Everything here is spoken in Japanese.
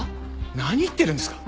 何言ってるんですか？